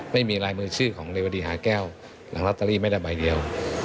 ไม่มีลายมือชื่อของเรวดีหาแก้วหลังลอตเตอรี่ไม่ได้ใบเดียว